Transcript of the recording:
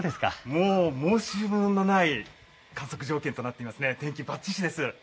もう申し分のない観測条件となっていますね、天気、ばっちしです。